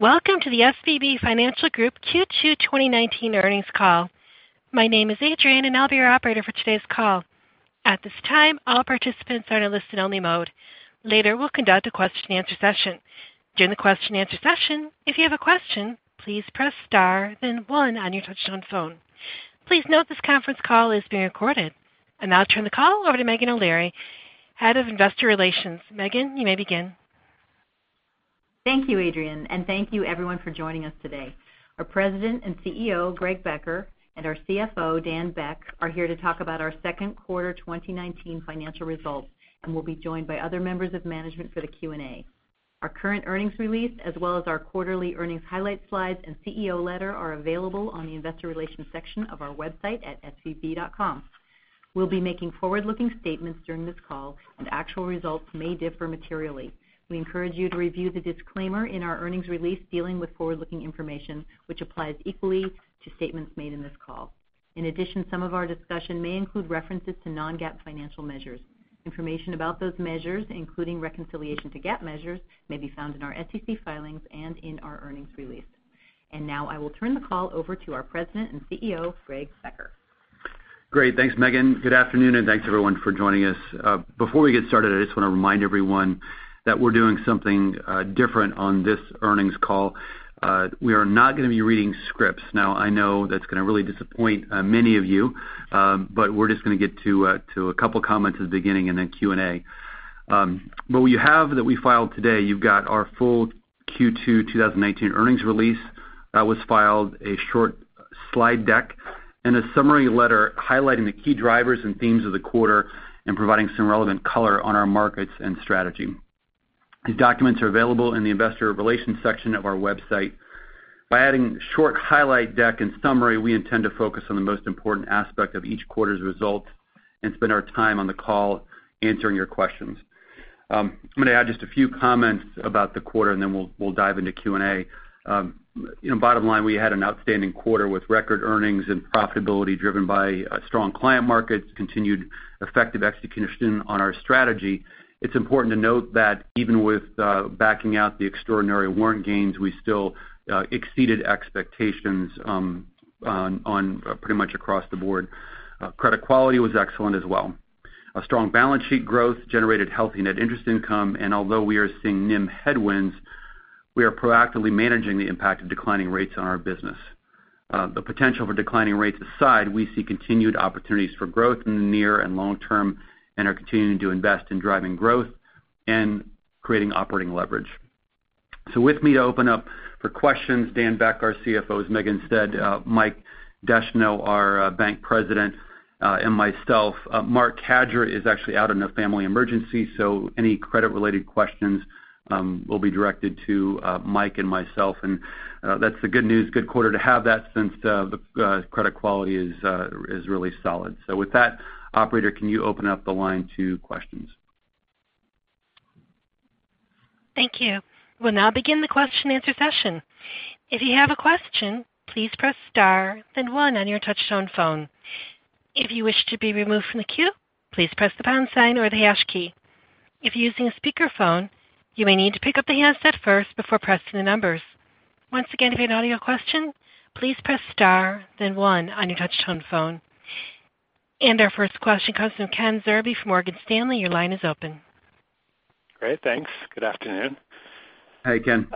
Welcome to the SVB Financial Group Q2 2019 Earnings Call. My name is Adrian, and I'll be your operator for today's call. At this time, all participants are in a listen-only mode. Later, we'll conduct a question and answer session. During the question and answer session, if you have a question, please press star then one on your touch-tone phone. Please note this conference call is being recorded. I'll now turn the call over to Meghan O'Leary, head of investor relations. Meghan, you may begin. Thank you, Adrian, and thank you everyone for joining us today. Our President and CEO, Greg Becker, and our CFO, Dan Beck, are here to talk about our second quarter 2019 financial results, and will be joined by other members of management for the Q&A. Our current earnings release, as well as our quarterly earnings highlight slides and CEO letter are available on the investor relations section of our website at svb.com. We'll be making forward-looking statements during this call and actual results may differ materially. We encourage you to review the disclaimer in our earnings release dealing with forward-looking information, which applies equally to statements made in this call. In addition, some of our discussion may include references to non-GAAP financial measures. Information about those measures, including reconciliation to GAAP measures, may be found in our SEC filings and in our earnings release. Now I will turn the call over to our President and CEO, Greg Becker. Great. Thanks, Meghan. Good afternoon, thanks everyone for joining us. Before we get started, I just want to remind everyone that we're doing something different on this earnings call. We are not going to be reading scripts. I know that's going to really disappoint many of you, but we're just going to get to a couple of comments at the beginning and then Q&A. What we have that we filed today, you've got our full Q2 2019 earnings release that was filed, a short slide deck, and a summary letter highlighting the key drivers and themes of the quarter and providing some relevant color on our markets and strategy. These documents are available in the investor relations section of our website. By adding a short highlight deck and summary, we intend to focus on the most important aspect of each quarter's results and spend our time on the call answering your questions. I'm going to add just a few comments about the quarter and then we'll dive into Q&A. Bottom line, we had an outstanding quarter with record earnings and profitability driven by strong client markets, continued effective execution on our strategy. It's important to note that even with backing out the extraordinary warrant gains, we still exceeded expectations pretty much across the board. Credit quality was excellent as well. A strong balance sheet growth generated healthy net interest income, and although we are seeing NIM headwinds, we are proactively managing the impact of declining rates on our business. The potential for declining rates aside, we see continued opportunities for growth in the near and long term and are continuing to invest in driving growth and creating operating leverage. With me to open up for questions, Dan Beck, our CFO, as Meghan said, Mike Descheneaux, our bank president, and myself. Marc Cadieux is actually out on a family emergency, any credit-related questions will be directed to Mike and myself. That's the good news, good quarter to have that since the credit quality is really solid. With that, operator, can you open up the line to questions? Thank you. We'll now begin the question and answer session. If you have a question, please press star then one on your touch-tone phone. If you wish to be removed from the queue, please press the pound sign or the hash key. If you're using a speakerphone, you may need to pick up the handset first before pressing the numbers. Once again, if you have an audio question, please press star then one on your touch-tone phone. Our first question comes from Ken Zerbe from Morgan Stanley. Your line is open. Great. Thanks. Good afternoon. Hi, Ken.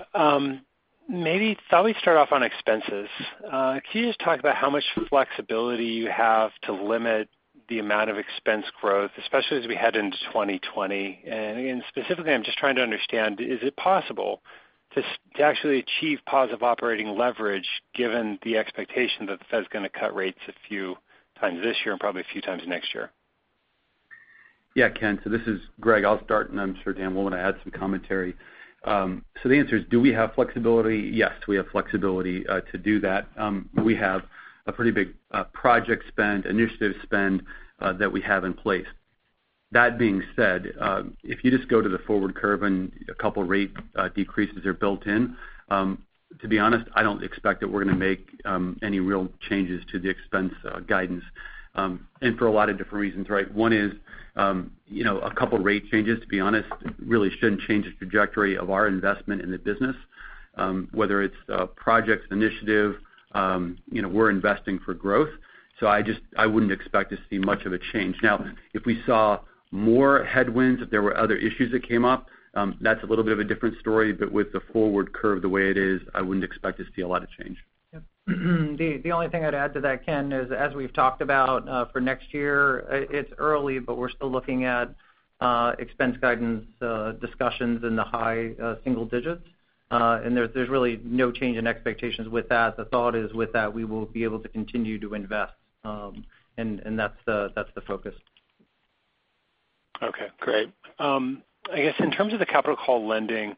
Maybe thought we'd start off on expenses. Can you just talk about how much flexibility you have to limit the amount of expense growth, especially as we head into 2020? Again, specifically, I'm just trying to understand, is it possible to actually achieve positive operating leverage given the expectation that the Fed's going to cut rates a few times this year and probably a few times next year? Yeah, Ken. This is Greg. I'll start, and I'm sure Dan will want to add some commentary. The answer is, do we have flexibility? Yes, we have flexibility to do that. We have a pretty big project spend, initiative spend that we have in place. That being said, if you just go to the forward curve and a couple rate decreases are built in, to be honest, I don't expect that we're going to make any real changes to the expense guidance. For a lot of different reasons, right? One is a couple rate changes, to be honest, really shouldn't change the trajectory of our investment in the business. Whether it's projects, initiative, we're investing for growth. I wouldn't expect to see much of a change. If we saw more headwinds, if there were other issues that came up, that's a little bit of a different story. With the forward curve the way it is, I wouldn't expect to see a lot of change. The only thing I'd add to that, Ken, is as we've talked about for next year, it's early, but we're still looking at expense guidance discussions in the high single digits. There's really no change in expectations with that. The thought is with that, we will be able to continue to invest. That's the focus. Okay. Great. I guess in terms of the capital call lending,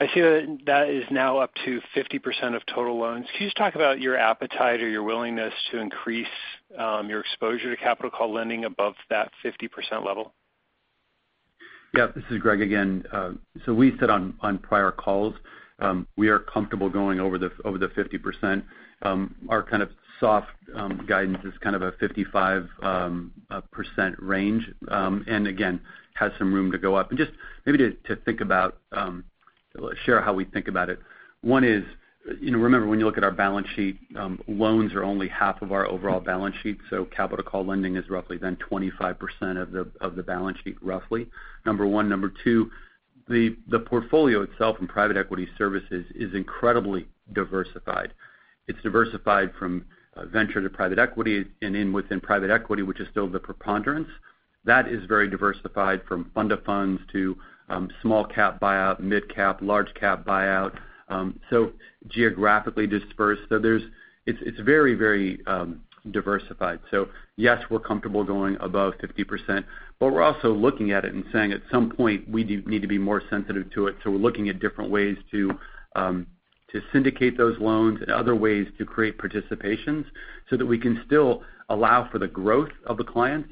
I see that is now up to 50% of total loans. Can you just talk about your appetite or your willingness to increase your exposure to capital call lending above that 50% level? Yeah. This is Greg again. We said on prior calls we are comfortable going over the 50%. Our kind of soft guidance is kind of a 55% range. Again, has some room to go up. Just maybe to think about how we think about it. One is, remember when you look at our balance sheet, loans are only half of our overall balance sheet. Capital call lending is roughly then 25% of the balance sheet, roughly. Number one. Number two, the portfolio itself in private equity services is incredibly diversified. It's diversified from venture to private equity, and within private equity, which is still the preponderance, that is very diversified from fund to funds to small cap buyout, midcap, large cap buyout. Geographically dispersed. It's very diversified. Yes, we're comfortable going above 50%, but we're also looking at it and saying at some point we do need to be more sensitive to it. We're looking at different ways to syndicate those loans and other ways to create participations so that we can still allow for the growth of the clients,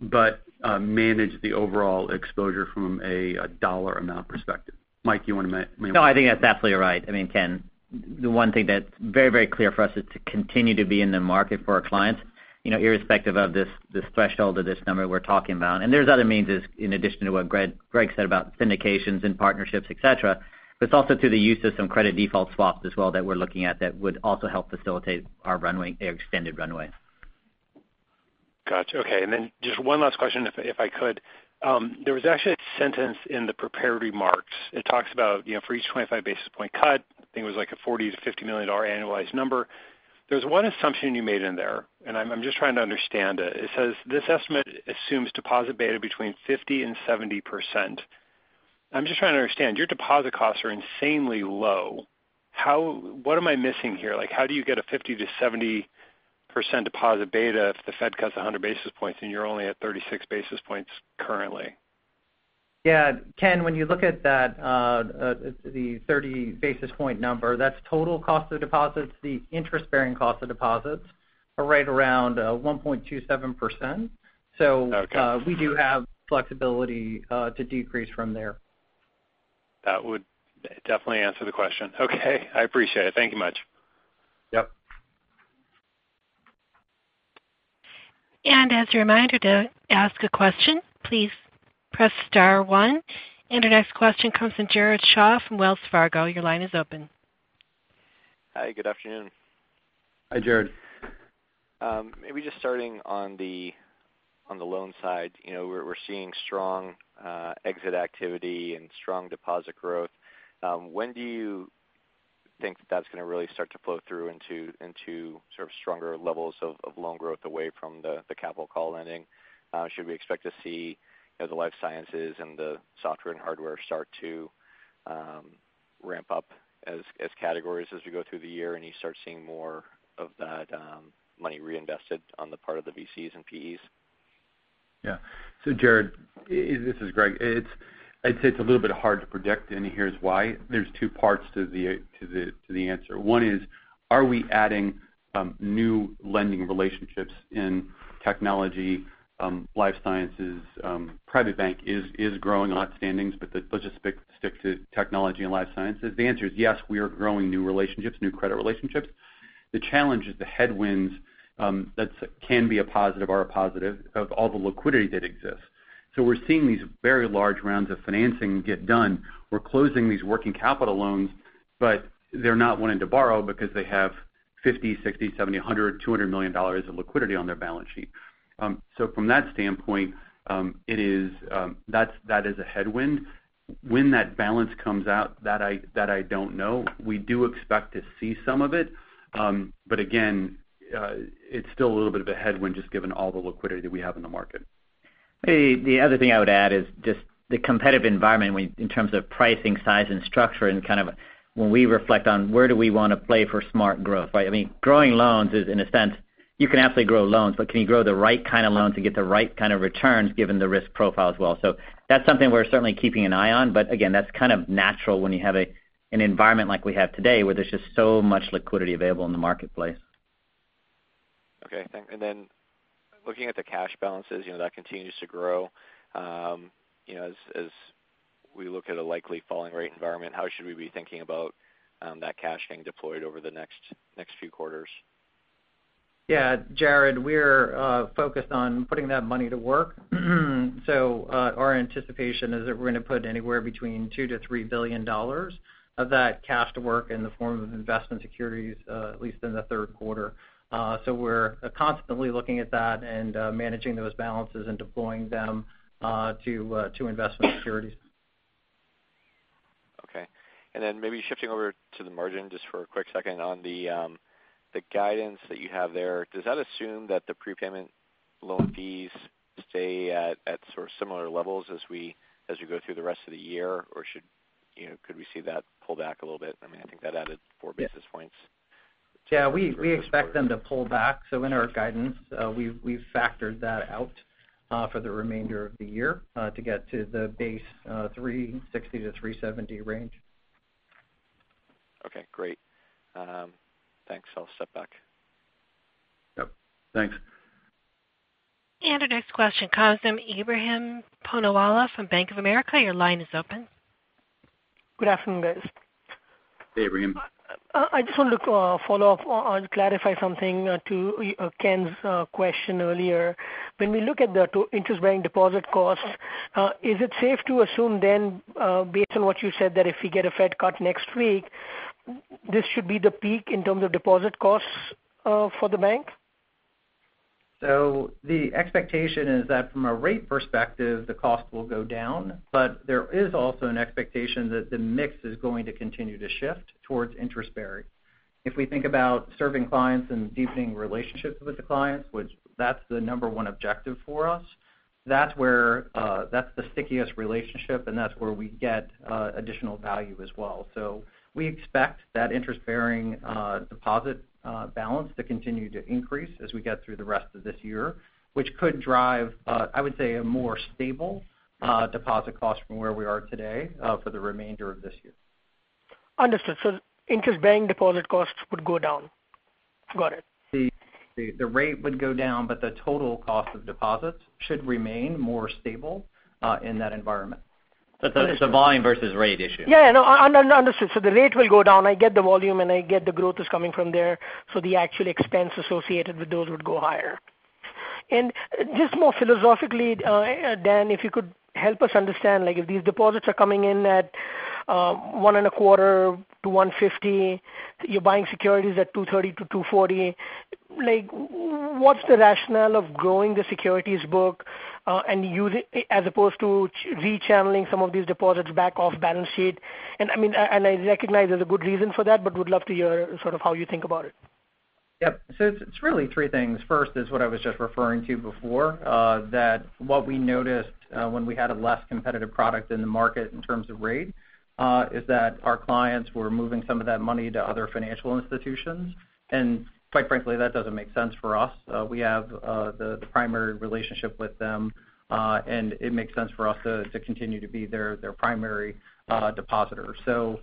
but manage the overall exposure from a dollar amount perspective. Mike you wanna- No, I think that's absolutely right. I mean, Ken, the one thing that's very clear for us is to continue to be in the market for our clients, irrespective of this threshold or this number we're talking about. There's other means in addition to what Greg said about syndications and partnerships, et cetera, but it's also through the use of some credit default swaps as well that we're looking at that would also help facilitate our extended runway. Got you. Okay. Then just one last question, if I could. There was actually a sentence in the prepared remarks. It talks about, for each 25 basis points cut, I think it was like a $40 million-$50 million annualized number. There's one assumption you made in there, and I'm just trying to understand it. It says, "This estimate assumes deposit beta between 50% and 70%." I'm just trying to understand, your deposit costs are insanely low. What am I missing here? How do you get a 50%-70% deposit beta if the Fed cuts 100 basis points and you're only at 36 basis points currently? Yeah. Ken, when you look at the 30 basis point number, that's total cost of deposits. The interest-bearing cost of deposits are right around 1.27%. Okay. We do have flexibility to decrease from there. That would definitely answer the question. Okay, I appreciate it. Thank you much. Yep. As a reminder, to ask a question, please press star one. Our next question comes from Jared Shaw from Wells Fargo. Your line is open. Hi, good afternoon. Hi, Jared. Just starting on the loan side. We're seeing strong exit activity and strong deposit growth. When do you think that's going to really start to flow through into sort of stronger levels of loan growth away from the capital call lending? Should we expect to see the life sciences and the software and hardware start to ramp up as categories as we go through the year, and you start seeing more of that money reinvested on the part of the VCs and PEs? Jared, this is Greg. I'd say it's a little bit hard to predict, and here's why. There's two parts to the answer. One is, are we adding new lending relationships in technology, life sciences? Private bank is growing on outstandings, but let's just stick to technology and life sciences. The answer is yes, we are growing new relationships, new credit relationships. The challenge is the headwinds that can be a positive or a positive of all the liquidity that exists. We're seeing these very large rounds of financing get done. We're closing these working capital loans, but they're not wanting to borrow because they have $50 million, $60 million, $70 million, $100 million, $200 million of liquidity on their balance sheet. From that standpoint, that is a headwind. When that balance comes out, that I don't know. We do expect to see some of it. Again, it's still a little bit of a headwind, just given all the liquidity that we have in the market. The other thing I would add is just the competitive environment in terms of pricing, size, and structure, and kind of when we reflect on where do we want to play for smart growth, right? Growing loans is, in a sense, you can absolutely grow loans, but can you grow the right kind of loans to get the right kind of returns given the risk profile as well? That's something we're certainly keeping an eye on. Again, that's kind of natural when you have an environment like we have today, where there's just so much liquidity available in the marketplace. Okay. Looking at the cash balances, that continues to grow. As we look at a likely falling rate environment, how should we be thinking about that cash getting deployed over the next few quarters? Yeah. Jared, we're focused on putting that money to work. Our anticipation is that we're going to put anywhere between $2 billion-$3 billion of that cash to work in the form of investment securities, at least in the third quarter. We're constantly looking at that and managing those balances and deploying them to investment securities. Okay. Maybe shifting over to the margin just for a quick second. On the guidance that you have there, does that assume that the prepayment loan fees stay at sort of similar levels as we go through the rest of the year? Could we see that pull back a little bit? I think that added four basis points. Yeah, we expect them to pull back. In our guidance, we've factored that out for the remainder of the year to get to the base 360-370 range. Okay, great. Thanks. I'll step back. Yep. Thanks. Our next question comes from Ebrahim Poonawala from Bank of America. Your line is open. Good afternoon, guys. Hi, Ebrahim. I just want to follow up on, clarify something to Ken's question earlier. When we look at the two interest-bearing deposit costs, is it safe to assume then, based on what you said, that if we get a Fed cut next week, this should be the peak in terms of deposit costs for the bank? The expectation is that from a rate perspective, the cost will go down, but there is also an expectation that the mix is going to continue to shift towards interest bearing. If we think about serving clients and deepening relationships with the clients, which that's the number one objective for us, that's the stickiest relationship and that's where we get additional value as well. We expect that interest-bearing deposit balance to continue to increase as we get through the rest of this year, which could drive, I would say, a more stable deposit cost from where we are today for the remainder of this year. Understood. Interest-bearing deposit costs would go down. Got it. The rate would go down, but the total cost of deposits should remain more stable in that environment. It's a volume versus rate issue. Yeah, no, understood. The rate will go down. I get the volume, and I get the growth is coming from there. The actual expense associated with those would go higher. Just more philosophically, Dan, if you could help us understand, if these deposits are coming in at 1.25%-1.50%, you're buying securities at 2.30%-2.40%, what's the rationale of growing the securities book as opposed to rechanneling some of these deposits back off balance sheet? I recognize there's a good reason for that, but would love to hear how you think about it. Yep. It's really three things. First is what I was just referring to before, that what we noticed when we had a less competitive product in the market in terms of rate, is that our clients were moving some of that money to other financial institutions. Quite frankly, that doesn't make sense for us. We have the primary relationship with them, and it makes sense for us to continue to be their primary depositor.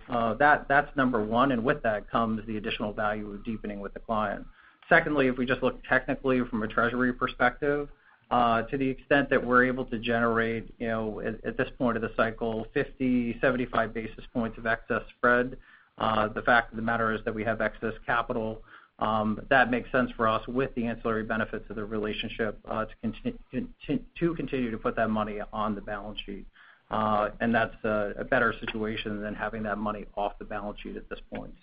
That's number one, and with that comes the additional value of deepening with the client. Secondly, if we just look technically from a treasury perspective, to the extent that we're able to generate, at this point of the cycle, 50, 75 basis points of excess spread, the fact of the matter is that we have excess capital, that makes sense for us with the ancillary benefits of the relationship to continue to put that money on the balance sheet. That's a better situation than having that money off the balance sheet at this point.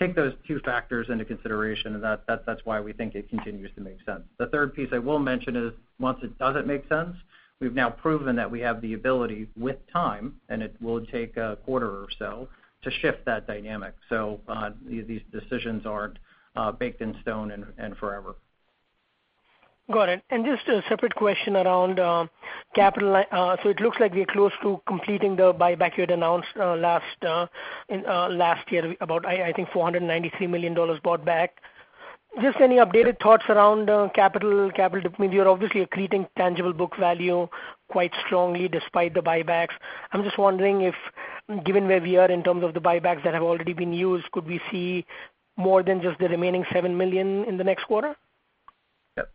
Take those two factors into consideration, and that's why we think it continues to make sense. The third piece I will mention is once it doesn't make sense, we've now proven that we have the ability with time, and it will take a quarter or so to shift that dynamic. These decisions aren't baked in stone and forever. Got it. Just a separate question around capital. It looks like we're close to completing the buyback you'd announced last year about, I think $493 million bought back. Just any updated thoughts around capital? You're obviously accreting tangible book value quite strongly despite the buybacks. I'm just wondering if, given where we are in terms of the buybacks that have already been used, could we see more than just the remaining $7 million in the next quarter? Yep.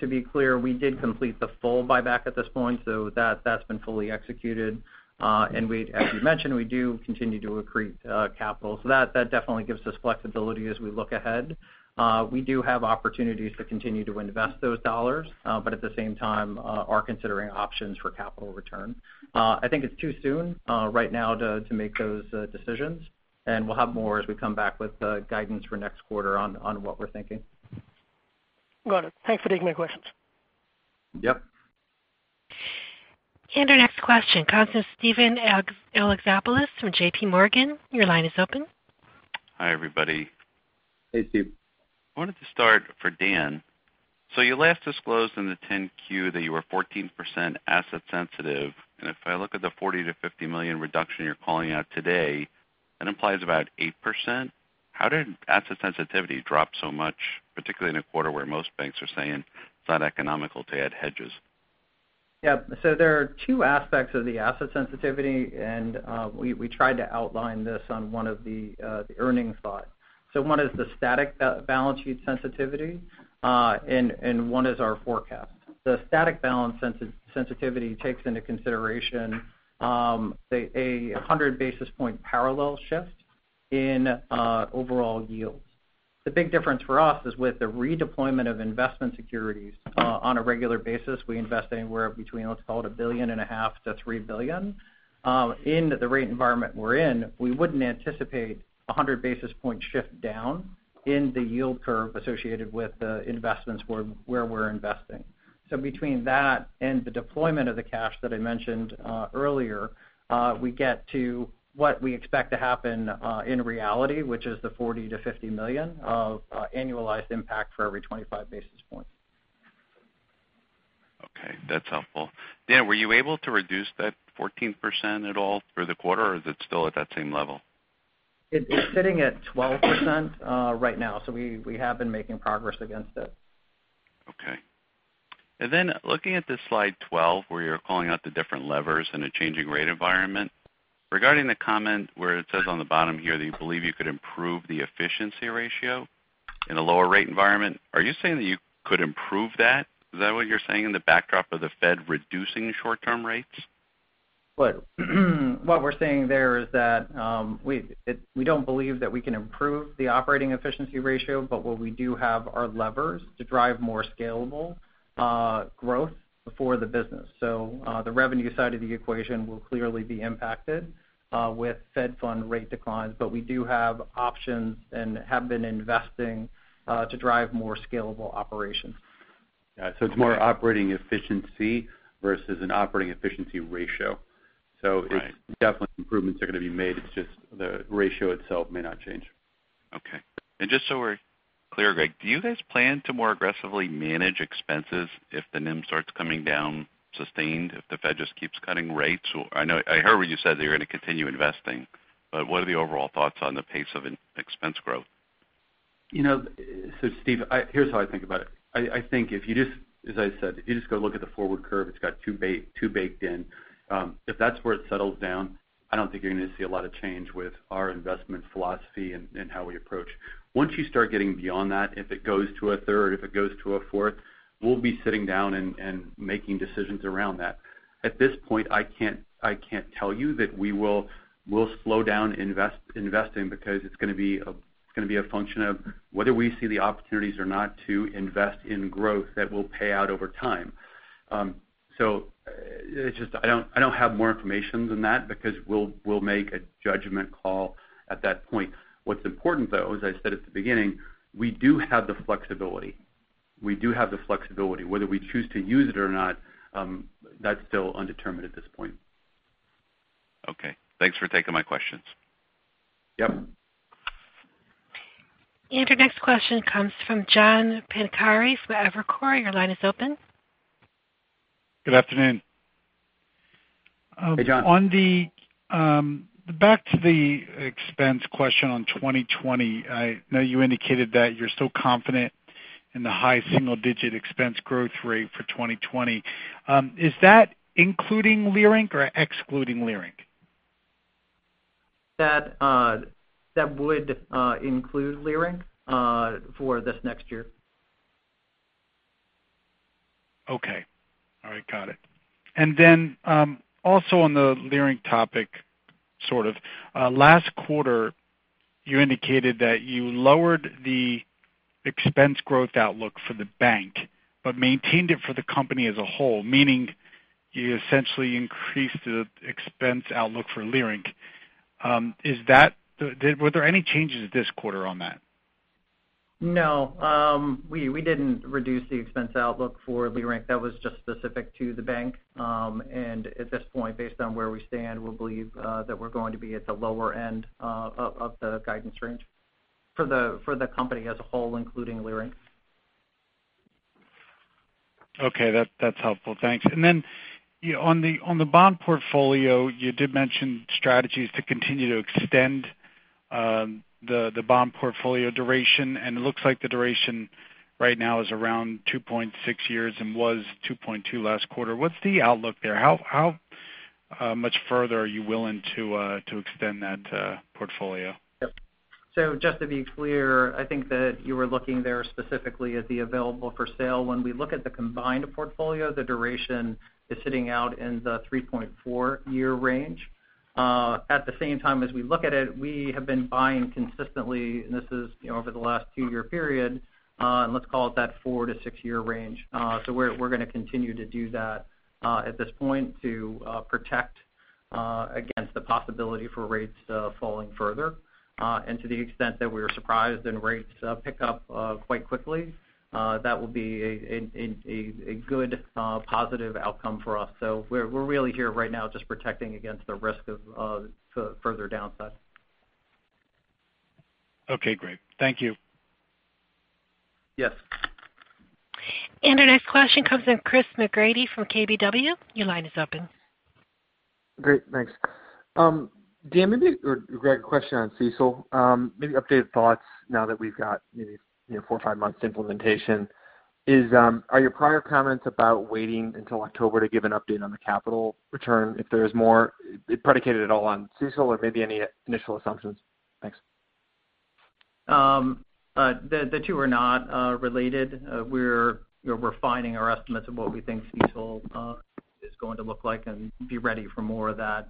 To be clear, we did complete the full buyback at this point, so that's been fully executed. As you mentioned, we do continue to accrete capital. That definitely gives us flexibility as we look ahead. We do have opportunities to continue to invest those dollars, but at the same time, are considering options for capital return. I think it's too soon right now to make those decisions. We'll have more as we come back with the guidance for next quarter on what we're thinking. Got it. Thanks for taking my questions. Yep. Our next question comes from Steven Alexopoulos from J.P. Morgan. Your line is open. Hi, everybody. Hey, Steve. I wanted to start for Dan. You last disclosed in the 10-Q that you were 14% asset sensitive. If I look at the $40 million-$50 million reduction you're calling out today, that implies about 8%. How did asset sensitivity drop so much, particularly in a quarter where most banks are saying it's not economical to add hedges? There are two aspects of the asset sensitivity, and we tried to outline this on one of the earnings slides. One is the static balance sheet sensitivity, and one is our forecast. The static balance sensitivity takes into consideration a 100 basis point parallel shift in overall yields. The big difference for us is with the redeployment of investment securities on a regular basis. We invest anywhere between, let's call it $1.5 billion-$3 billion. In the rate environment we're in, we wouldn't anticipate a 100 basis point shift down in the yield curve associated with the investments where we're investing. Between that and the deployment of the cash that I mentioned earlier, we get to what we expect to happen in reality, which is the $40 million-$50 million of annualized impact for every 25 basis points. Okay, that's helpful. Dan, were you able to reduce that 14% at all through the quarter, or is it still at that same level? It's sitting at 12% right now. We have been making progress against it. Okay. Looking at the slide 12 where you're calling out the different levers in a changing rate environment. Regarding the comment where it says on the bottom here that you believe you could improve the efficiency ratio in a lower rate environment, are you saying that you could improve that? Is that what you're saying in the backdrop of the Fed reducing short-term rates? What we're saying there is that we don't believe that we can improve the operating efficiency ratio, but what we do have are levers to drive more scalable growth for the business. The revenue side of the equation will clearly be impacted with Fed funds rate declines, but we do have options and have been investing to drive more scalable operations. Yeah. It's more operating efficiency versus an operating efficiency ratio. Right. It's definitely improvements are going to be made. It's just the ratio itself may not change. Okay. Just so we're clear, Greg, do you guys plan to more aggressively manage expenses if the NIM starts coming down sustained, if the Fed just keeps cutting rates? I know I heard what you said, that you're going to continue investing, but what are the overall thoughts on the pace of expense growth? Steve, here's how I think about it. I think if you just, as I said, you just go look at the forward curve, it's got too baked in. If that's where it settles down, I don't think you're going to see a lot of change with our investment philosophy and how we approach. Once you start getting beyond that, if it goes to a third, if it goes to a fourth, we'll be sitting down and making decisions around that. At this point, I can't tell you that we'll slow down investing because it's going to be a function of whether we see the opportunities or not to invest in growth that will pay out over time. I don't have more information than that because we'll make a judgment call at that point. What's important, though, as I said at the beginning, we do have the flexibility. Whether we choose to use it or not, that's still undetermined at this point. Okay. Thanks for taking my questions. Yep. Your next question comes from John Pancari with Evercore. Your line is open. Good afternoon. Hey, John. Back to the expense question on 2020. I know you indicated that you're still confident in the high single-digit expense growth rate for 2020. Is that including Leerink or excluding Leerink? That would include Leerink for this next year. Okay. All right. Got it. Also on the Leerink topic, sort of, last quarter you indicated that you lowered the expense growth outlook for the bank, but maintained it for the company as a whole, meaning you essentially increased the expense outlook for Leerink. Were there any changes this quarter on that? No. We didn't reduce the expense outlook for Leerink. That was just specific to the bank. At this point, based on where we stand, we believe that we're going to be at the lower end of the guidance range for the company as a whole, including Leerink. Okay. That's helpful. Thanks. On the bond portfolio, you did mention strategies to continue to extend the bond portfolio duration, it looks like the duration right now is around 2.6 years and was 2.2 last quarter. What's the outlook there? How much further are you willing to extend that portfolio? Yep. Just to be clear, I think that you were looking there specifically at the available for sale. When we look at the combined portfolio, the duration is sitting out in the 3.4 year range. At the same time as we look at it, we have been buying consistently, and this is over the last two-year period, and let's call it that 4-6 year range. We're going to continue to do that at this point to protect against the possibility for rates falling further. To the extent that we are surprised and rates pick up quite quickly, that will be a good positive outcome for us. We're really here right now just protecting against the risk of further downside. Okay, great. Thank you. Yes. Our next question comes from Chris McGratty from KBW. Your line is open. Great, thanks. Greg, a question on CECL. Maybe updated thoughts now that we've got maybe four or five months implementation. Are your prior comments about waiting until October to give an update on the capital return if there's predicated at all on CECL or maybe any initial assumptions? Thanks. The two are not related. We're refining our estimates of what we think CECL is going to look like and be ready for more of that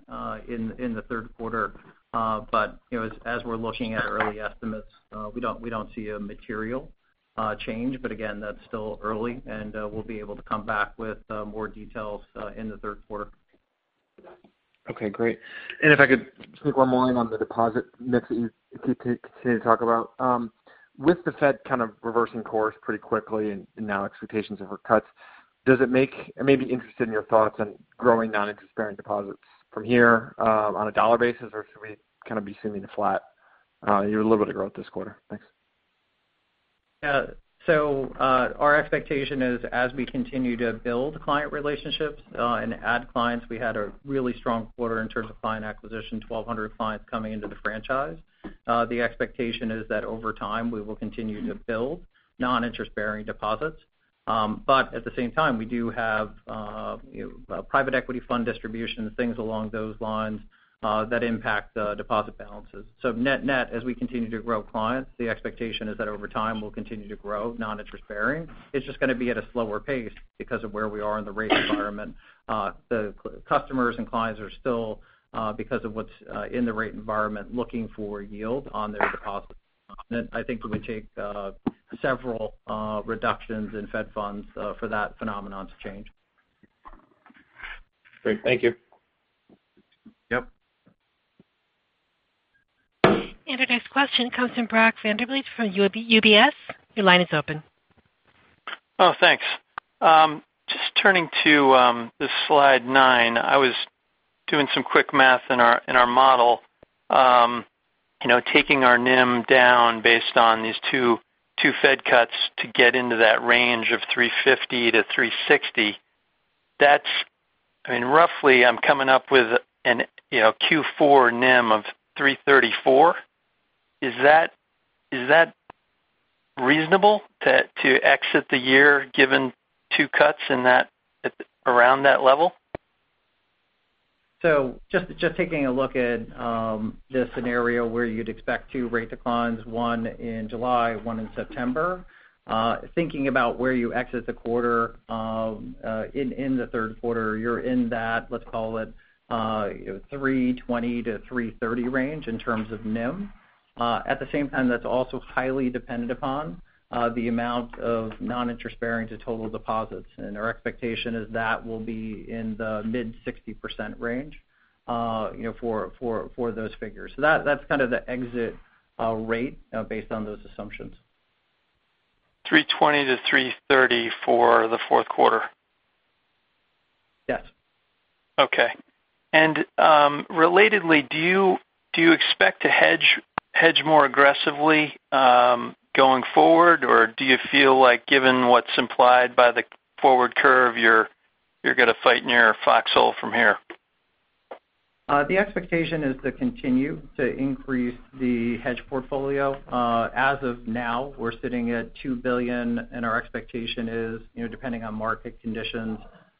in the third quarter. As we're looking at early estimates, we don't see a material change. Again, that's still early and we'll be able to come back with more details in the third quarter for that. Okay, great. If I could pick one more on the deposit mix that you continue to talk about. With the Fed kind of reversing course pretty quickly and now expectations of her cuts, I may be interested in your thoughts on growing non-interest bearing deposits from here on a dollar basis, or should we kind of be assuming a flat year little bit of growth this quarter? Thanks. Our expectation is as we continue to build client relationships and add clients, we had a really strong quarter in terms of client acquisition, 1,200 clients coming into the franchise. The expectation is that over time we will continue to build non-interest bearing deposits. At the same time, we do have private equity fund distribution, things along those lines that impact deposit balances. Net net, as we continue to grow clients, the expectation is that over time we'll continue to grow non-interest bearing. It's just going to be at a slower pace because of where we are in the rate environment. The customers and clients are still, because of what's in the rate environment, looking for yield on their deposits. I think it would take several reductions in Fed funds for that phenomenon to change. Great. Thank you. Yep. Our next question comes from Brock Vandervliet from UBS. Your line is open. Oh, thanks. Just turning to the slide 9. I was doing some quick math in our model. Taking our NIM down based on these two Fed cuts to get into that range of 350-360. Roughly I'm coming up with a Q4 NIM of 334. Is that reasonable to exit the year given two cuts and around that level? Just taking a look at the scenario where you'd expect two rate declines, one in July, one in September. Thinking about where you exit the quarter, in the third quarter, you're in that, let's call it, 320-330 range in terms of NIM. At the same time, that's also highly dependent upon the amount of non-interest bearing to total deposits. Our expectation is that will be in the mid-60% range for those figures. That's kind of the exit rate based on those assumptions. $320-$330 for the fourth quarter. Yes. Okay. Relatedly, do you expect to hedge more aggressively going forward? Or do you feel like given what's implied by the forward curve, you're going to fight near foxhole from here? The expectation is to continue to increase the hedge portfolio. As of now, we're sitting at $2 billion. Our expectation is, depending on market conditions,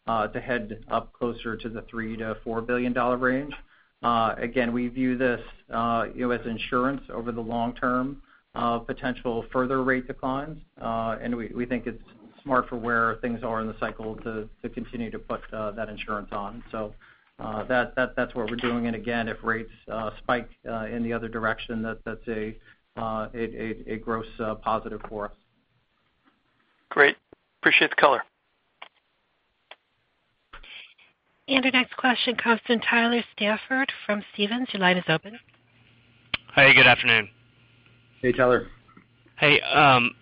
to head up closer to the $3 billion-$4 billion range. Again, we view this as insurance over the long term, potential further rate declines. We think it's smart for where things are in the cycle to continue to put that insurance on. That's what we're doing. Again, if rates spike in the other direction, that's a gross positive for us. Great. Appreciate the color. Our next question comes from Tyler Stafford from Stephens. Your line is open. Hi, good afternoon. Hey, Tyler. Hey,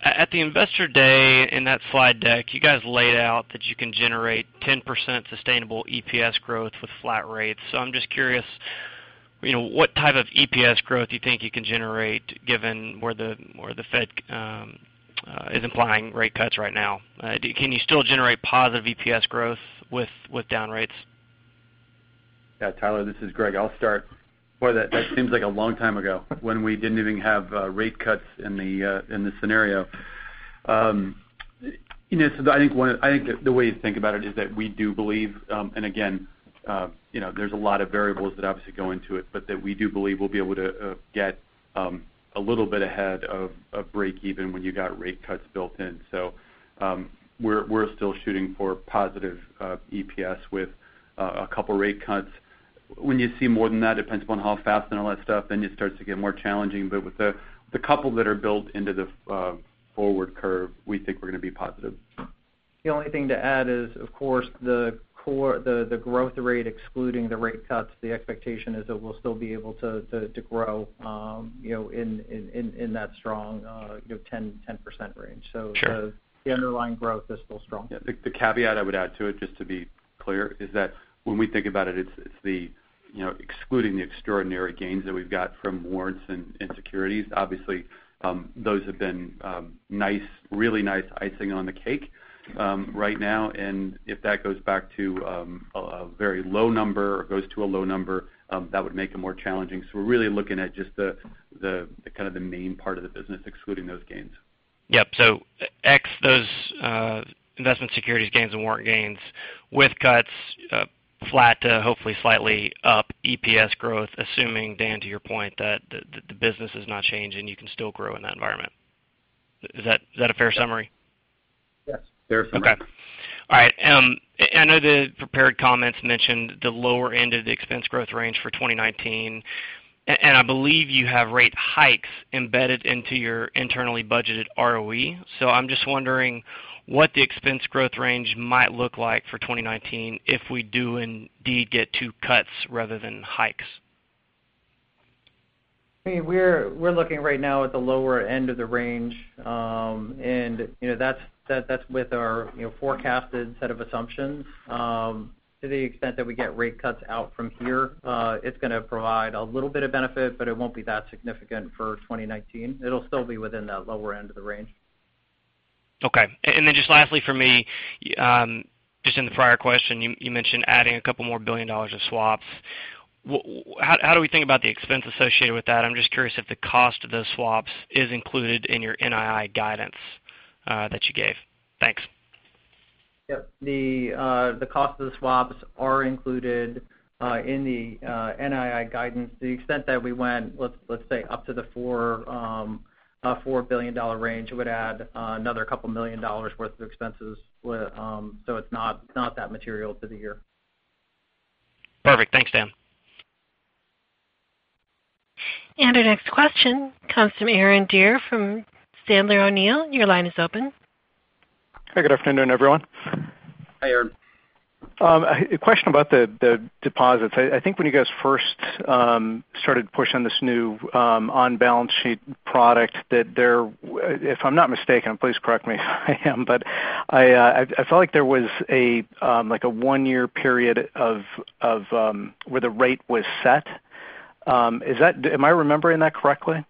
at the Investor Day in that slide deck, you guys laid out that you can generate 10% sustainable EPS growth with flat rates. I'm just curious, what type of EPS growth you think you can generate given where the Fed is implying rate cuts right now? Can you still generate positive EPS growth with down rates? Tyler, this is Greg. I'll start. Boy, that seems like a long time ago when we didn't even have rate cuts in the scenario. I think the way to think about it is that we do believe, and again there's a lot of variables that obviously go into it, but that we do believe we'll be able to get a little bit ahead of breakeven when you got rate cuts built in. We're still shooting for positive EPS with a couple of rate cuts. When you see more than that, depends upon how fast and all that stuff, then it starts to get more challenging. With the couple that are built into the forward curve, we think we're going to be positive. The only thing to add is, of course, the growth rate excluding the rate cuts, the expectation is that we'll still be able to grow in that strong 10% range. Sure. The underlying growth is still strong. Yeah. The caveat I would add to it, just to be clear, is that when we think about it, excluding the extraordinary gains that we've got from warrants and securities, obviously, those have been really nice icing on the cake right now. If that goes back to a very low number or goes to a low number, that would make it more challenging. We're really looking at just kind of the main part of the business excluding those gains. Yep. Ex those investment securities gains and warrant gains with cuts flat to hopefully slightly up EPS growth, assuming, Dan, to your point, that the business is not changing, you can still grow in that environment. Is that a fair summary? Yes. Fair summary. Okay. All right. I know the prepared comments mentioned the lower end of the expense growth range for 2019, and I believe you have rate hikes embedded into your internally budgeted ROE. I'm just wondering what the expense growth range might look like for 2019 if we do indeed get two cuts rather than hikes. We're looking right now at the lower end of the range. That's with our forecasted set of assumptions. To the extent that we get rate cuts out from here it's going to provide a little bit of benefit, but it won't be that significant for 2019. It'll still be within that lower end of the range. Okay. Then just lastly for me, just in the prior question, you mentioned adding a couple more billion dollars of swaps. How do we think about the expense associated with that? I'm just curious if the cost of those swaps is included in your NII guidance that you gave. Thanks. Yep. The cost of the swaps are included in the NII guidance. To the extent that we went, let's say, up to the $4 billion range, it would add another couple million dollars worth of expenses. It's not that material to the year. Perfect. Thanks, Dan. Our next question comes from Aaron Deer from Sandler O'Neill. Your line is open. Hi, good afternoon, everyone. Hi, Aaron. A question about the deposits. I think when you guys first started to push on this new on-balance sheet product, that there, if I'm not mistaken, please correct me if I am, but I felt like there was a one-year period of where the rate was set. Am I remembering that correctly?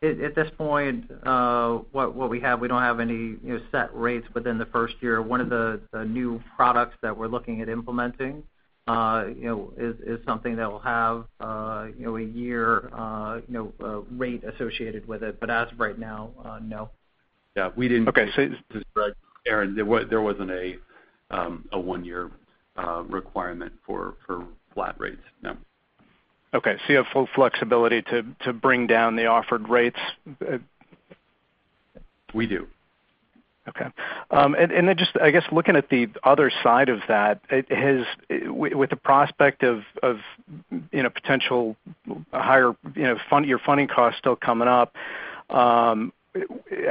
At this point, what we have, we don't have any set rates within the first year. One of the new products that we're looking at implementing is something that will have a year rate associated with it, but as of right now, no. Yeah. This is Greg. Aaron, there wasn't a one-year requirement for flat rates, no. Okay. You have full flexibility to bring down the offered rates? We do. Okay. Just, I guess, looking at the other side of that, with the prospect of potential higher funding, your funding costs still coming up.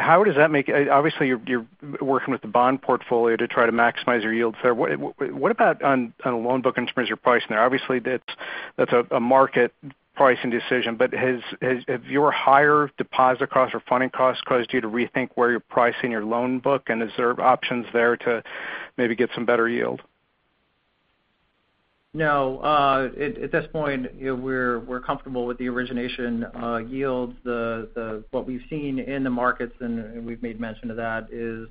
Obviously, you're working with the bond portfolio to try to maximize your yields there. What about on the loan book in terms of your pricing there? Obviously, that's a market pricing decision, but have your higher deposit costs or funding costs caused you to rethink where you're pricing your loan book? Is there options there to maybe get some better yield? No. At this point, we're comfortable with the origination yields. What we've seen in the markets, and we've made mention of that, is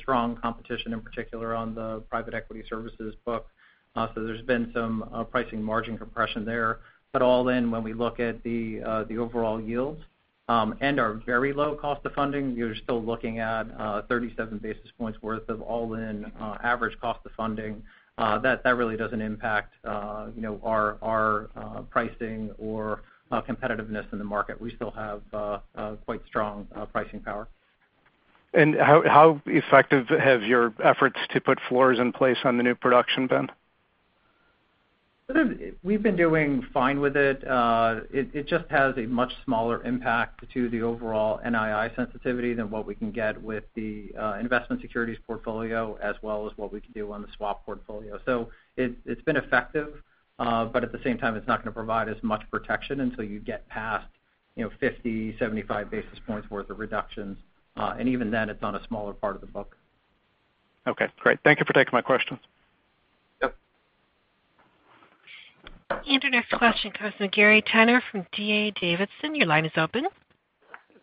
strong competition, in particular on the private equity services book. There's been some pricing margin compression there. All in, when we look at the overall yields and our very low cost of funding, you're still looking at 37 basis points worth of all-in average cost of funding. That really doesn't impact our pricing or competitiveness in the market. We still have quite strong pricing power. How effective have your efforts to put floors in place on the new production been? We've been doing fine with it. It just has a much smaller impact to the overall NII sensitivity than what we can get with the investment securities portfolio, as well as what we can do on the swap portfolio. It's been effective. At the same time, it's not going to provide as much protection until you get past 50, 75 basis points worth of reductions. Even then, it's on a smaller part of the book. Okay, great. Thank you for taking my questions. Yep. Our next question comes from Gary Tenner from D.A. Davidson. Your line is open.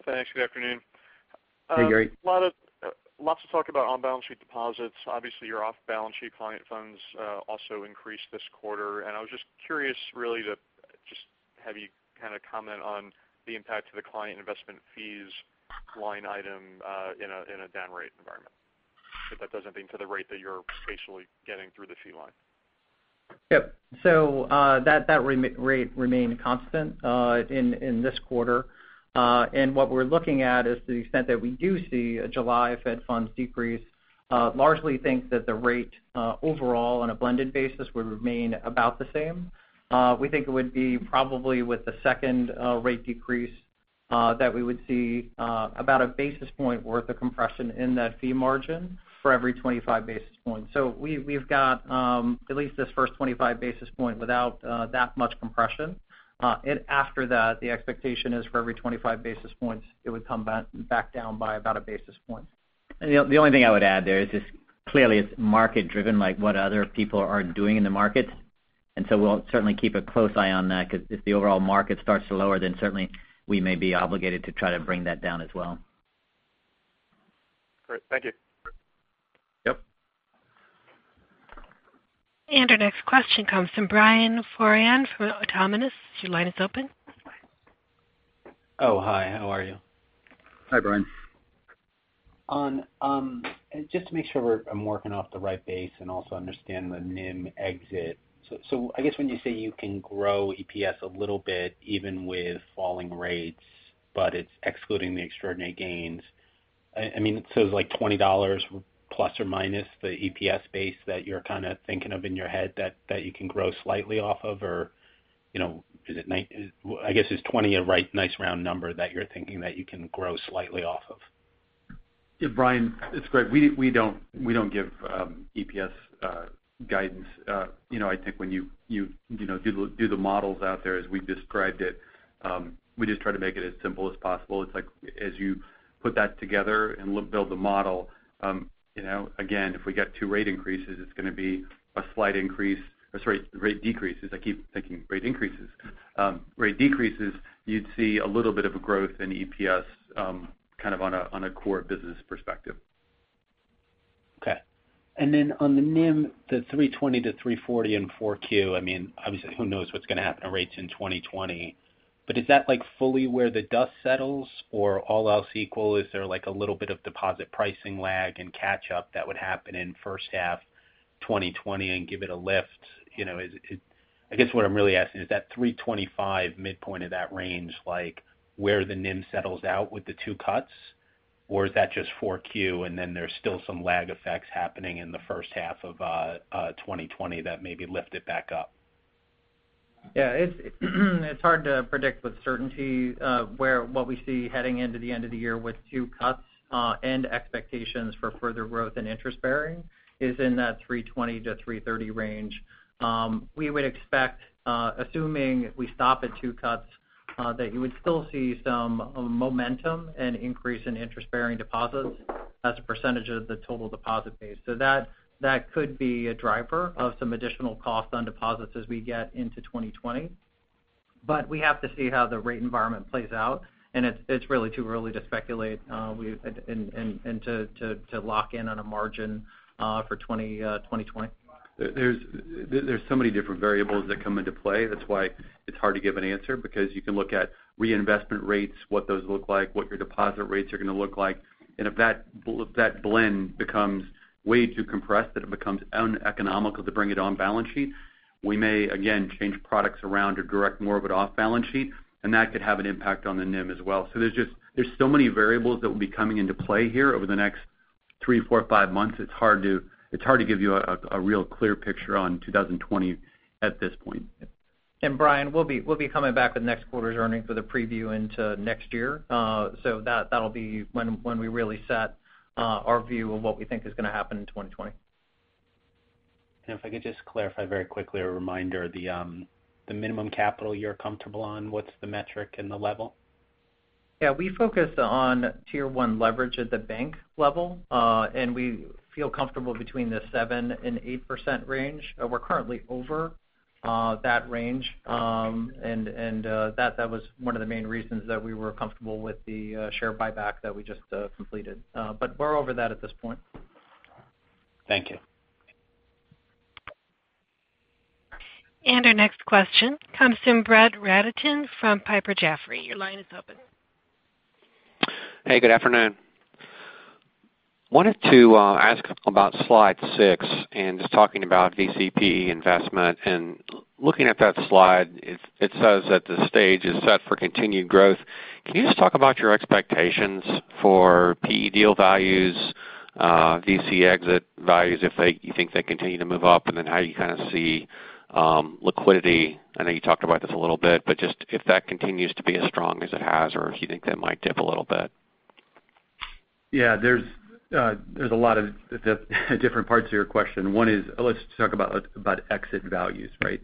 Thanks. Good afternoon. Hey, Gary. Lots of talk about on-balance sheet deposits. Obviously, your off-balance sheet client funds also increased this quarter. I was just curious, really, to just have you kind of comment on the impact to the client investment fees line item in a down rate environment, if that does anything to the rate that you're facially getting through the fee line. Yep. That rate remained constant in this quarter. What we're looking at is the extent that we do see a July Fed funds decrease, largely think that the rate overall on a blended basis would remain about the same. We think it would be probably with the second rate decrease that we would see about a basis point worth of compression in that fee margin for every 25 basis points. We've got at least this first 25 basis point without that much compression. After that, the expectation is for every 25 basis points, it would come back down by about a basis point. The only thing I would add there is just clearly it's market driven, like what other people are doing in the market. We'll certainly keep a close eye on that, because if the overall market starts to lower, then certainly we may be obligated to try to bring that down as well. Great. Thank you. Yep. Our next question comes from Brian Foran from Autonomous Research. Your line is open. Oh, hi. How are you? Hi, Brian. Just to make sure I'm working off the right base and also understand the NIM exit. I guess when you say you can grow EPS a little bit even with falling rates, but it's excluding the extraordinary gains. It's like $20 plus or minus the EPS base that you're kind of thinking of in your head that you can grow slightly off of? I guess, is 20 a nice round number that you're thinking that you can grow slightly off of? Yeah, Brian, it's Greg. We don't give EPS guidance. I think when you do the models out there as we described it, we just try to make it as simple as possible. It's like as you put that together and build the model, again, if we get two rate increases, it's going to be a slight increase. Sorry, rate decreases. I keep thinking rate increases. Rate decreases, you'd see a little bit of a growth in EPS kind of on a core business perspective. Okay. On the NIM, the 320-330 in Q4, obviously who knows what's going to happen to rates in 2020. Is that fully where the dust settles or all else equal, is there a little bit of deposit pricing lag and catch-up that would happen in first half 2020 and give it a lift? I guess what I'm really asking is that 325 midpoint of that range, like where the NIM settles out with the two cuts, or is that just Q4 and then there's still some lag effects happening in the first half of 2020 that maybe lift it back up? Yeah. It's hard to predict with certainty what we see heading into the end of the year with two cuts, expectations for further growth in interest-bearing is in that 320-330 range. We would expect, assuming we stop at two cuts, that you would still see some momentum and increase in interest-bearing deposits as a percentage of the total deposit base. That could be a driver of some additional cost on deposits as we get into 2020. We have to see how the rate environment plays out, and it's really too early to speculate and to lock in on a margin for 2020. There's so many different variables that come into play. That's why it's hard to give an answer because you can look at reinvestment rates, what those look like, what your deposit rates are going to look like. If that blend becomes way too compressed that it becomes uneconomical to bring it on balance sheet, we may again change products around or direct more of it off balance sheet, and that could have an impact on the NIM as well. There's so many variables that will be coming into play here over the next three, four, five months. It's hard to give you a real clear picture on 2020 at this point. Brian, we'll be coming back with next quarter's earnings with a preview into next year. That'll be when we really set our view of what we think is going to happen in 2020. If I could just clarify very quickly, a reminder, the minimum capital you're comfortable on, what's the metric and the level? Yeah, we focus on Tier 1 leverage at the bank level. We feel comfortable between the 7% and 8% range. We're currently over that range. Right. That was one of the main reasons that we were comfortable with the share buyback that we just completed. We're over that at this point. Thank you. Our next question comes from Brett Rabatin from Piper Jaffray. Your line is open. Good afternoon. Wanted to ask about slide 6 and just talking about VCPE investment. Looking at that slide, it says that the stage is set for continued growth. Can you just talk about your expectations for PE deal values, VC exit values, if you think they continue to move up, and then how you kind of see liquidity? I know you talked about this a little bit, but just if that continues to be as strong as it has or if you think that might dip a little bit. Yeah. There's a lot of different parts to your question. One is, let's talk about exit values, right?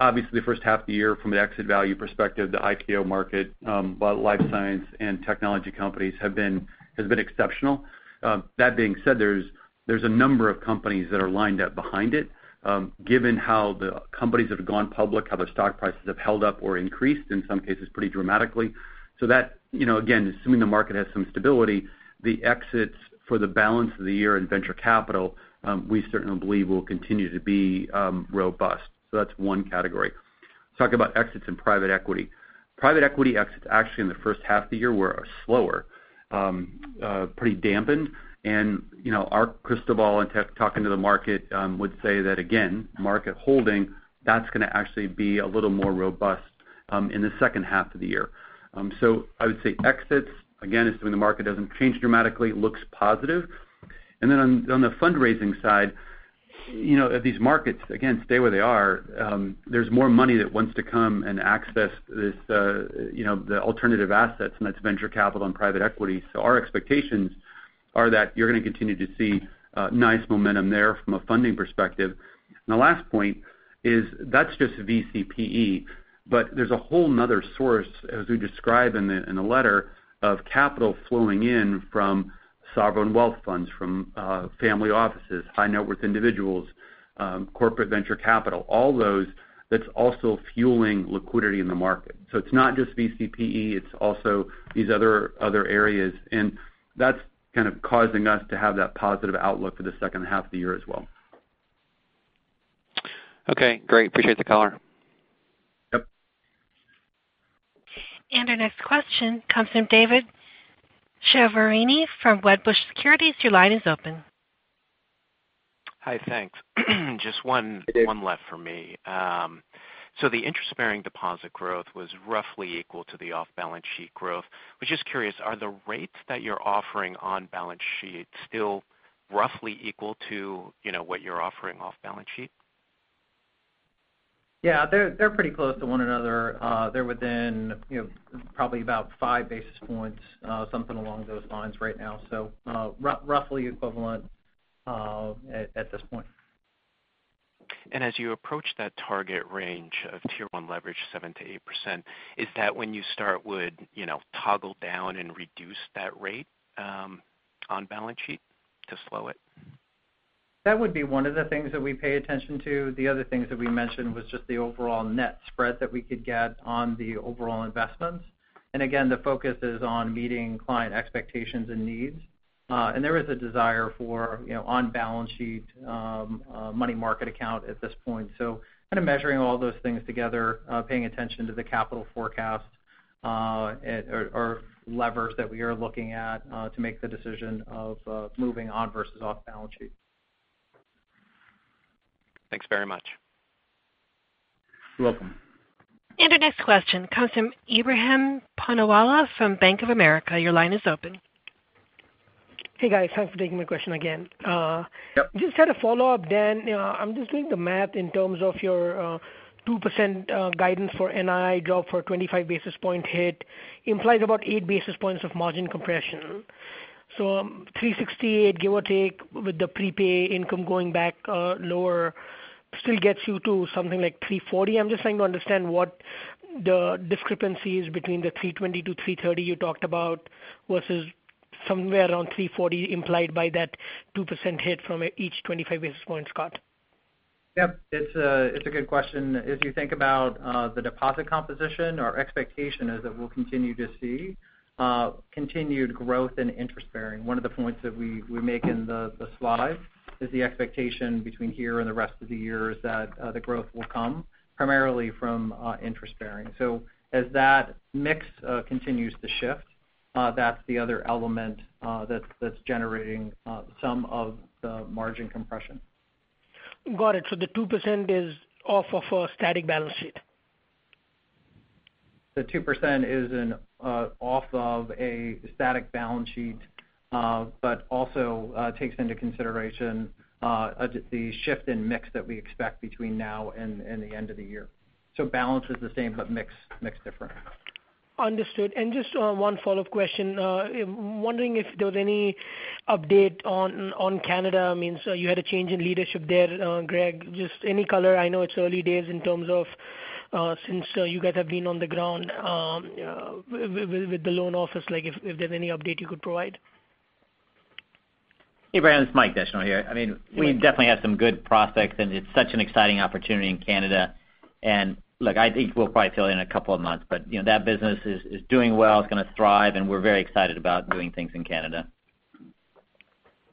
Obviously the first half of the year from an exit value perspective, the IPO market, both life science and technology companies has been exceptional. That being said, there's a number of companies that are lined up behind it. Given how the companies have gone public, how their stock prices have held up or increased in some cases pretty dramatically. That, again, assuming the market has some stability, the exits for the balance of the year in venture capital, we certainly believe will continue to be robust. That's one category. Let's talk about exits in private equity. Private equity exits actually in the first half of the year were slower, pretty dampened. Our crystal ball into talking to the market would say that again, market holding, that's going to actually be a little more robust in the second half of the year. I would say exits, again, assuming the market doesn't change dramatically, looks positive. On the fundraising side, if these markets, again, stay where they are, there's more money that wants to come and access the alternative assets, and that's venture capital and private equity. Our expectations are that you're going to continue to see nice momentum there from a funding perspective. The last point is that's just VCPE, but there's a whole another source, as we describe in the letter, of capital flowing in from sovereign wealth funds, from family offices, high net worth individuals, corporate venture capital, all those, that's also fueling liquidity in the market. It's not just VCPE, it's also these other areas. That's kind of causing us to have that positive outlook for the second half of the year as well. Okay, great. Appreciate the color. Yep. Our next question comes from David Chiaverini from Wedbush Securities. Your line is open. Hi. Thanks. Hey, Dave. One left for me. The interest-bearing deposit growth was roughly equal to the off-balance sheet growth. I was just curious, are the rates that you're offering on balance sheet still roughly equal to what you're offering off balance sheet? Yeah, they're pretty close to one another. They're within probably about five basis points, something along those lines right now. Roughly equivalent at this point. As you approach that target range of Tier 1 leverage 7%-8%, is that when you would toggle down and reduce that rate on balance sheet to slow it? That would be one of the things that we pay attention to. The other things that we mentioned was just the overall net spread that we could get on the overall investments. Again, the focus is on meeting client expectations and needs. There is a desire for on balance sheet money market account at this point. Kind of measuring all those things together, paying attention to the capital forecast, or levers that we are looking at to make the decision of moving on versus off balance sheet. Thanks very much. You're welcome. Our next question comes from Ebrahim Poonawala from Bank of America. Your line is open. Hey, guys. Thanks for taking my question again. Yep. Just had a follow-up, Dan. I'm just doing the math in terms of your 2% guidance for NII drop for a 25 basis point hit implies about 8 basis points of margin compression. So 3.68%, give or take, with the prepay income going back lower still gets you to something like 3.40%. I'm just trying to understand what the discrepancy is between the 3.20%-3.30% you talked about versus somewhere around 3.40% implied by that 2% hit from each 25 basis points cut. Yep, it's a good question. If you think about the deposit composition, our expectation is that we'll continue to see continued growth in interest bearing. One of the points that we make in the slide is the expectation between here and the rest of the year is that the growth will come primarily from interest bearing. As that mix continues to shift, that's the other element that's generating some of the margin compression. Got it. The 2% is off of a static balance sheet. The 2% is off of a static balance sheet but also takes into consideration the shift in mix that we expect between now and the end of the year. Balance is the same, but mix different. Understood. Just one follow-up question. Wondering if there was any update on Canada. I mean, you had a change in leadership there, Greg. Just any color. I know it's early days in terms of since you guys have been on the ground with the loan office, if there's any update you could provide. Ebrahim, this is Mike Descheneaux here. We definitely have some good prospects, and it's such an exciting opportunity in Canada. Look, I think we'll probably fill in a couple of months, but that business is doing well. It's going to thrive, and we're very excited about doing things in Canada.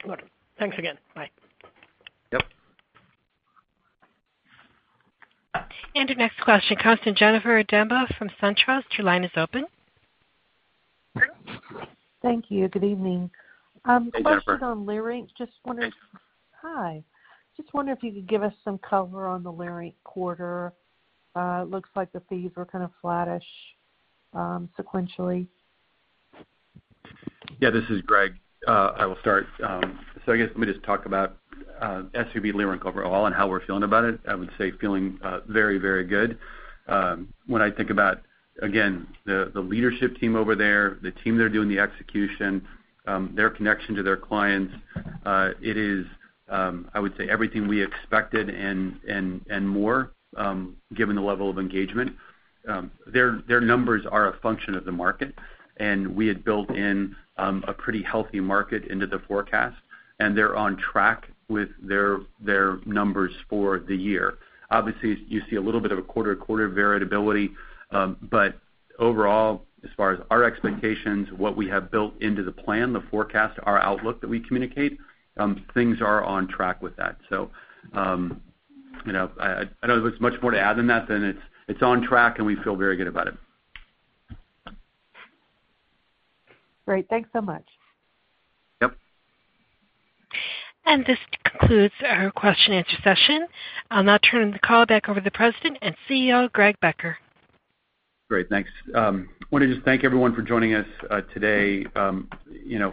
Got it. Thanks again. Bye. Yep. Our next question comes from Jennifer Demba from SunTrust. Your line is open. Thank you. Good evening. Hey, Jennifer. Question on Leerink. Just wondering- Hey. Hi. Just wondering if you could give us some color on the Leerink quarter. Looks like the fees were kind of flattish sequentially. Yeah, this is Greg. I will start. I guess let me just talk about SVB Leerink overall and how we're feeling about it. I would say feeling very good. When I think about, again, the leadership team over there, the team that are doing the execution, their connection to their clients, it is, I would say, everything we expected and more given the level of engagement. Their numbers are a function of the market, and we had built in a pretty healthy market into the forecast, and they're on track with their numbers for the year. Obviously, you see a little bit of a quarter to quarter variability. Overall, as far as our expectations, what we have built into the plan, the forecast, our outlook that we communicate, things are on track with that. I don't know if there's much more to add than that. It's on track, and we feel very good about it. Great. Thanks so much. Yep. This concludes our question and answer session. I'll now turn the call back over to the President and CEO, Greg Becker. Great, thanks. Wanted to thank everyone for joining us today.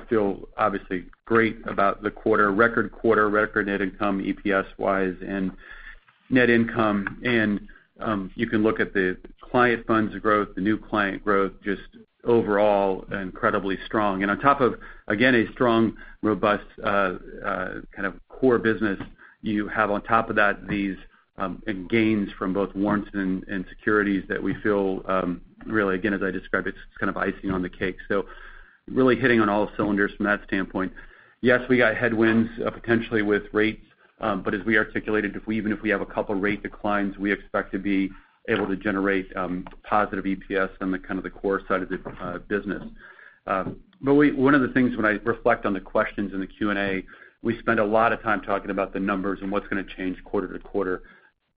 Feel obviously great about the quarter. Record quarter, record net income, EPS-wise, and net income. You can look at the client funds growth, the new client growth, just overall incredibly strong. On top of, again, a strong, robust kind of core business, you have on top of that these gains from both warrants and securities that we feel really, again, as I described it's kind of icing on the cake. Really hitting on all cylinders from that standpoint. Yes, we got headwinds potentially with rates. As we articulated, even if we have a couple rate declines, we expect to be able to generate positive EPS on the kind of the core side of the business. One of the things when I reflect on the questions in the Q&A, we spend a lot of time talking about the numbers and what's going to change quarter to quarter.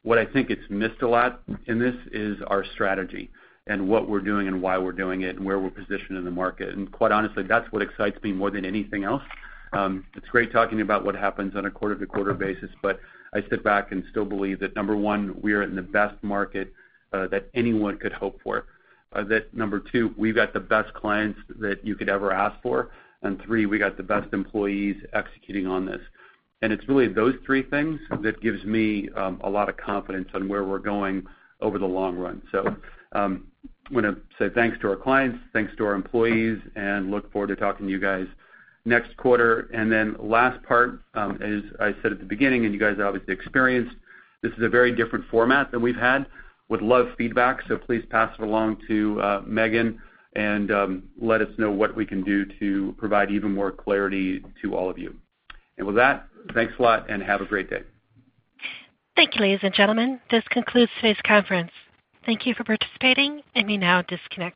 What I think it's missed a lot in this is our strategy and what we're doing and why we're doing it and where we're positioned in the market. Quite honestly, that's what excites me more than anything else. It's great talking about what happens on a quarter-to-quarter basis, but I sit back and still believe that, number one, we are in the best market that anyone could hope for. That number two, we've got the best clients that you could ever ask for. Three, we got the best employees executing on this. It's really those three things that gives me a lot of confidence on where we're going over the long run. I'm going to say thanks to our clients, thanks to our employees, and look forward to talking to you guys next quarter. Last part is I said at the beginning, and you guys obviously experienced, this is a very different format than we've had. Would love feedback, so please pass it along to Meghan and let us know what we can do to provide even more clarity to all of you. With that, thanks a lot and have a great day. Thank you, ladies and gentlemen. This concludes today's conference. Thank you for participating. You may now disconnect.